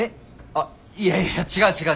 あいやいや違う違う。